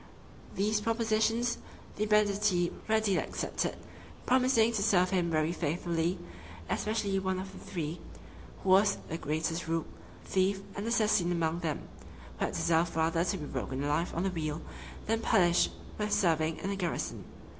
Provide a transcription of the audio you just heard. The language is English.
These propositions the banditti readily accepted, promising to serve him very faithfully, especially one of the three, who was the greatest rogue, thief, and assassin among them, who had deserved rather to be broken alive on the wheel, than punished with serving in a garrison.